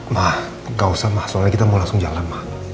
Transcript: ma gak usah ma soalnya kita mau langsung jalan ma